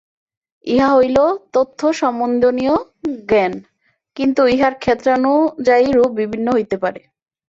ইহা হইল তথ্য-সম্বন্ধীয় জ্ঞান, কিন্তু ইহার ক্ষেত্রানুযায়ী রূপ বিভিন্ন হইতে পারে।